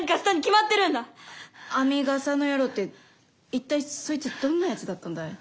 編みがさの野郎って一体そいつどんなやつだったんだい？